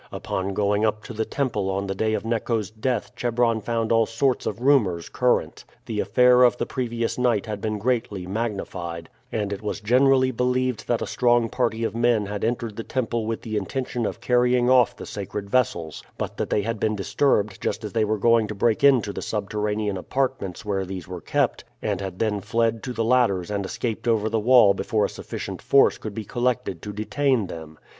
Upon going up to the temple on the day of Neco's death Chebron found all sorts of rumors current. The affair of the previous night had been greatly magnified, and it was generally believed that a strong party of men had entered the temple with the intention of carrying off the sacred vessels, but that they had been disturbed just as they were going to break into the subterranean apartments where these were kept, and had then fled to the ladders and escaped over the wall before a sufficient force could be collected to detain them.